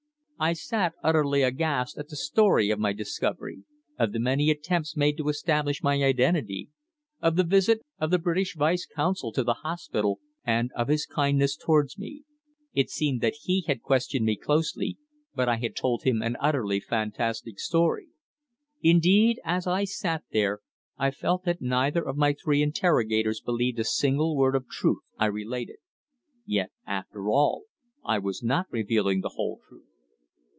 I sat utterly aghast at the story of my discovery, of the many attempts made to establish my identity, of the visit of the British Vice Consul to the hospital, and of his kindness towards me. It seemed that he had questioned me closely, but I had told an utterly fantastic story. Indeed, as I sat there, I felt that neither of my three interrogators believed a single word of the truth I related. Yet, after all, I was not revealing the whole truth.